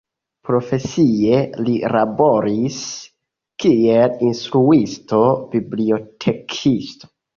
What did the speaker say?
Profesie li laboris kiel instruisto-bibliotekisto.